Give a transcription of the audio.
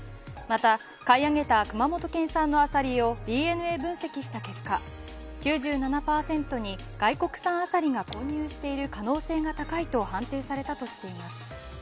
また、買い上げた熊本県産のアサリをＤＮＡ分析した結果９７％に外国産アサリが混入している可能性が高いと判定されたとしています。